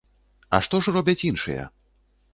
А што ж робяць іншыя?